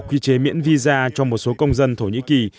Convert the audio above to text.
quy chế miễn visa cho một số công dân thổ nhĩ kỳ